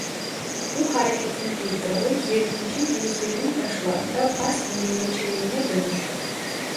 Bu hareketin bir dalı yirminci yüzyılın başlarında Bask milliyetçiliğine dönüştü.